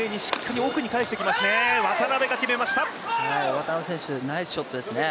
渡辺選手、ナイスショットですね。